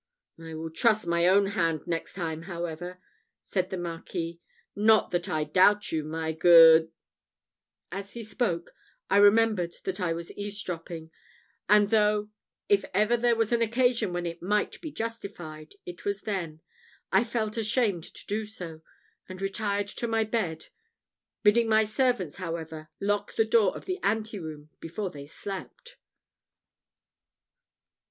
"I will trust my own hand next time, however," said the Marquis. "Not that I doubt you, my good " As he spoke, I remembered that I was eaves dropping; and though, if ever there was an occasion where it might be justified, it was then, I felt ashamed to do so, and retired to bed, bidding my servants, however, lock the door of the anteroom before they slept.